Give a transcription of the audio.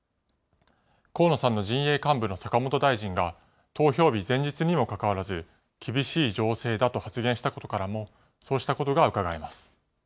河野さんの陣営幹部の坂本大臣が、投票日前日にもかかわらず、厳しい情勢だと発言したことからも、そうしたことがうかがえます。